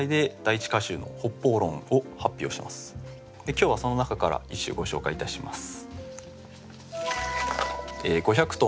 今日はその中から一首ご紹介いたします。